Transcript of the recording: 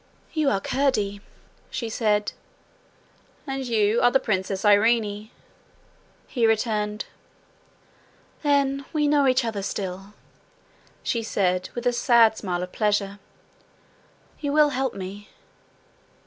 'You are Curdie,' she said. 'And you are the Princess Irene,' he returned. 'Then we know each other still,' she said, with a sad smile of pleasure. 'You will help me.'